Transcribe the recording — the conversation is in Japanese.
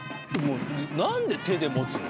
何で手で持つの？